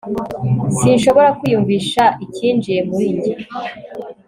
sinshobora kwiyumvisha icyinjiye muri njye